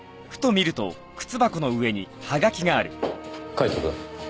カイトくん。